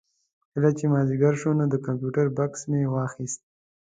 کله چې مازدیګر شو نو د کمپیوټر بکس مې واخېست.